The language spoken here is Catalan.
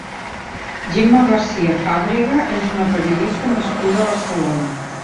Gemma Garcia Fàbrega és una periodista nascuda a Barcelona.